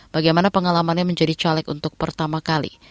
bagaimana pengalamannya menjadi caleg untuk pertama kali